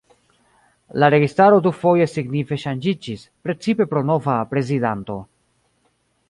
La registaro dufoje signife ŝanĝiĝis, precipe pro nova prezidanto.